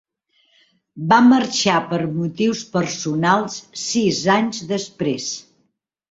Va marxar per motius personals sis anys després.